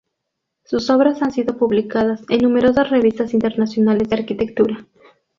Sus obras han sido publicadas en numerosas revistas internacionales de Arquitectura.